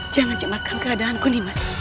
jangan cemaskan keadaanku ndi mas